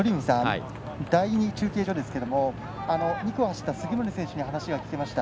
第２中継所ですけれども２区を走った杉森選手に話を聞けました。